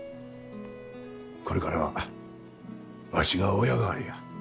これからはワシが親代わりや。